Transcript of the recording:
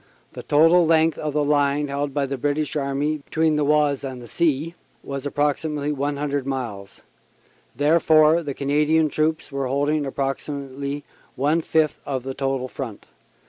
The total length of the line held by the British Army between the Oise and the sea was approximately 100 miles; therefore the Canadian troops were holding approximately one fifth of the total front.